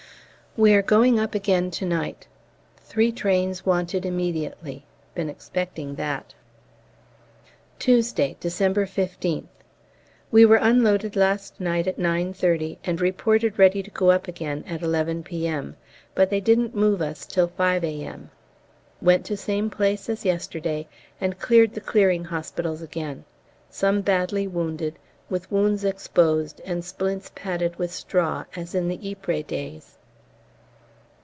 We are going up again to night. "Three trains wanted immediately" been expecting that. Tuesday, December 15th. We were unloaded last night at 9.30, and reported ready to go up again at 11 P.M., but they didn't move us till 5 A.M. Went to same place as yesterday, and cleared the Clearing Hospitals again; some badly wounded, with wounds exposed and splints padded with straw as in the Ypres days.